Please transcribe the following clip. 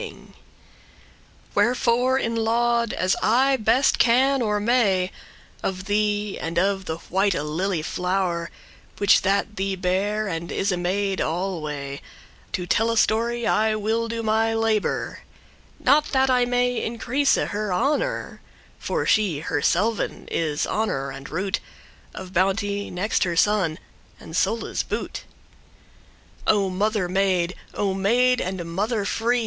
* <3> *glory Wherefore in laud, as I best can or may Of thee, and of the white lily flow'r Which that thee bare, and is a maid alway, To tell a story I will do my labour; Not that I may increase her honour, For she herselven is honour and root Of bounte, next her son, and soules' boot.* *help O mother maid, O maid and mother free!